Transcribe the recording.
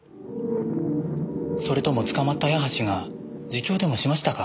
それとも捕まった矢橋が自供でもしましたか？